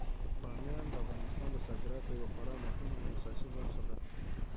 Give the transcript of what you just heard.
بامیان د افغانستان د صادراتو یوه خورا مهمه او اساسي برخه ده.